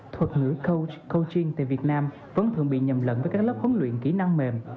thuật ngữ koch cotin tại việt nam vẫn thường bị nhầm lẫn với các lớp huấn luyện kỹ năng mềm